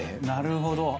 なるほど。